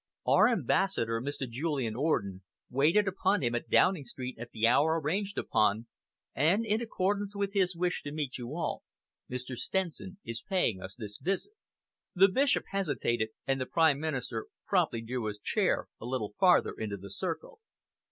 Our ambassador Mr. Julian Orden waited upon him at Downing Street at the hour arranged upon, and, in accordance with his wish to meet you all, Mr. Stenson is paying us this visit." The Bishop hesitated, and the Prime Minister promptly drew his chair a little farther into the circle.